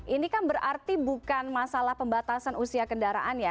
ini kan berarti bukan masalah pembatasan usia kendaraan ya